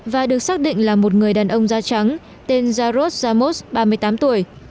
và được xác định là một người đàn ông da trắng tên jarrod zamos ba mươi tám tuổi